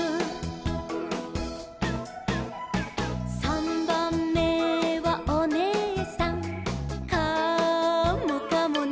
「さんばんめはおねえさん」「カモかもね」